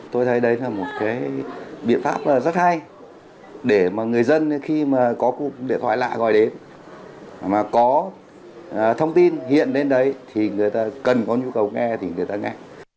tôi thấy đấy là một cái biện pháp rất hay để mà người dân khi mà có cuộc điện thoại lạ gọi đến mà có thông tin hiện lên đấy thì người ta cần có nhu cầu nghe thì người ta nghe